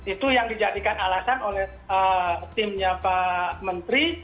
itu yang dijadikan alasan oleh timnya pak menteri